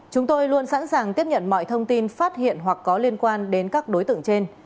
chúng tôi luôn sẵn sàng tiếp nhận mọi thông tin phát hiện hoặc có liên quan đến các đối tượng trên